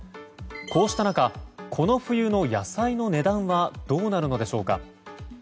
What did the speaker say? こうした中この冬の野菜の値段はどうなるのでしょうか。